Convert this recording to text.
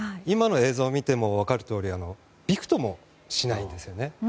今の映像を見ても分かるとおりびくともしないんですよね。